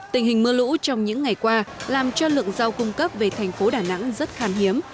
tình hình mưa lũ trong những ngày qua làm cho lượng rau cung cấp về thành phố đà nẵng rất khan hiếm